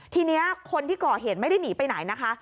ทีนี้คนที่ก่อเหตุไม่ได้หนีไปไหนนะคะ